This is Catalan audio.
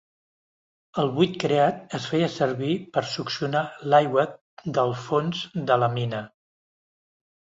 El buit creat es feia servir per succionar l'aigua del fons de la mina.